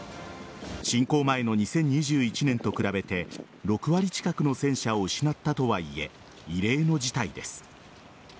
侵攻前の２０２１年と比べて６割近くの戦車を失ったとはいえ異例の事態です。